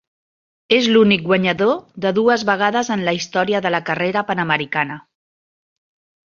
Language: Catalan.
És l'únic guanyador de dues vegades en la història de la carrera Panamericana.